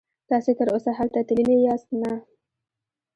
تاسې تراوسه هلته تللي یاست؟ نه.